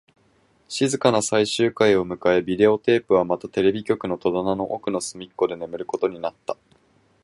静かな最終回を迎え、ビデオテープはまたテレビ局の戸棚の奥の隅っこで眠ることになった